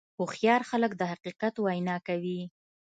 هوښیار خلک د حقیقت وینا کوي.